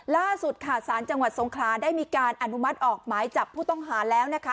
ล่าสุดค่ะสารจังหวัดทรงคลาได้มีการอนุมัติออกหมายจับผู้ต้องหาแล้วนะคะ